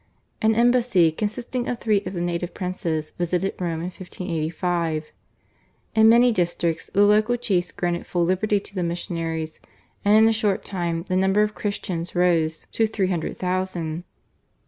An embassy consisting of three of the native princes visited Rome in 1585. In many districts the local chiefs granted full liberty to the missionaries, and in a short time the number of Christians rose to three hundred thousand.